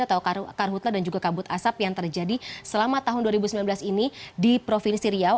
atau karhutlah dan juga kabut asap yang terjadi selama tahun dua ribu sembilan belas ini di provinsi riau